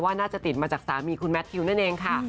น่าจะติดมาจากสามีคุณแมททิวนั่นเองค่ะ